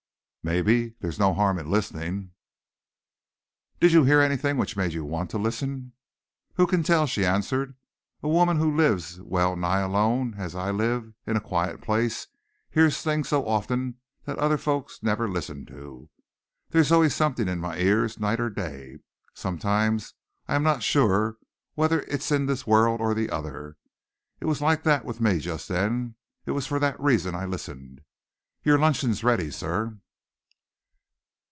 "Maybe! There's no harm in listening." "Did you hear anything which made you want to listen?" "Who can tell?" she answered. "A woman who lives well nigh alone, as I live, in a quiet place, hears things so often that other folk never listen to. There's always something in my ears, night or day. Sometimes I am not sure whether it's in this world or the other. It was like that with me just then. It was for that reason I listened. Your luncheon's ready, sir."